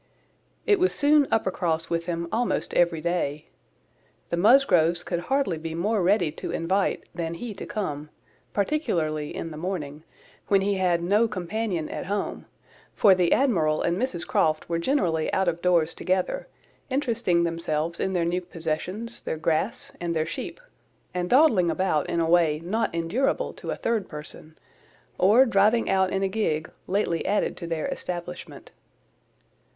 It was soon Uppercross with him almost every day. The Musgroves could hardly be more ready to invite than he to come, particularly in the morning, when he had no companion at home, for the Admiral and Mrs Croft were generally out of doors together, interesting themselves in their new possessions, their grass, and their sheep, and dawdling about in a way not endurable to a third person, or driving out in a gig, lately added to their establishment.